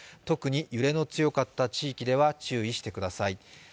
特に揺れの強かった地域では注意してください。